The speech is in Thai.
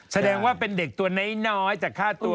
แสดงว่าเป็นเด็กตัวน้อยจากฆ่าตัว